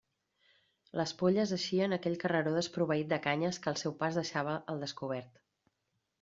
Les polles eixien a aquell carreró desproveït de canyes que el seu pas deixava al descobert.